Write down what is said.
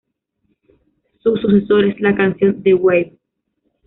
Su sucesor es la canción "The Wave".